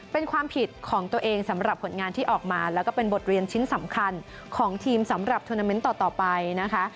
เป็นความผิดของตัวเองสำหรับผลงานที่ออกมาแล้วก็เป็นบทเรียนชิ้นสำคัญของทีมสำหรับทวนาเมนต์ต่อไปนะคะ